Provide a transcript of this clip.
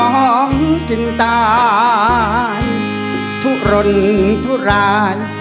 ร้องกินตายทุกรนทุกราย